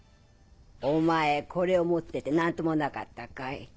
お前これを持ってて何ともなかったかい？